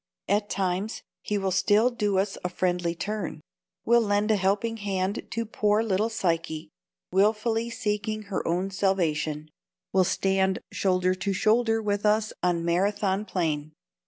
At times he will still do us a friendly turn: will lend a helping hand to poor little Psyche, wilfully seeking her own salvation; will stand shoulder to shoulder with us on Marathon plain.